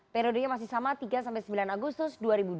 periode masih sama tiga sampai sembilan agustus